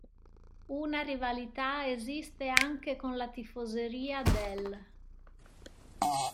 Una rivalità esiste anche con la tifoseria del